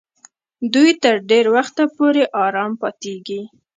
دوی تر ډېر وخت پورې آرام پاتېږي.